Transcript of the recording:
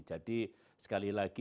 jadi sekali lagi